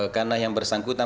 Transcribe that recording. karena yang bersangkutan